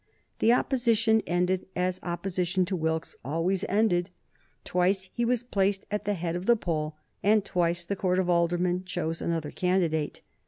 The opposition ended as opposition to Wilkes always ended. Twice he was placed at the head of the poll, and twice the Court of Aldermen chose another candidate.